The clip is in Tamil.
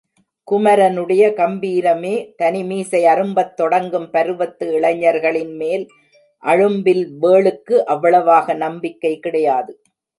குமரனுடைய கம்பீரமே தனி மீசை அரும்பத் தொடங்கும் பருவத்து இளைஞர்களின் மேல் அழும்பில்வேளுக்கு அவ்வளவாக நம்பிக்கை கிடையாது.